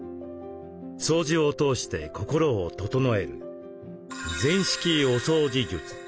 掃除を通して心を整える「禅式おそうじ術」。